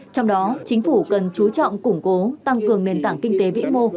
trong đó chính phủ cần chú trọng củng cố tăng cường nền tảng kinh tế vĩ mô